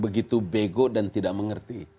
begitu bego dan tidak mengerti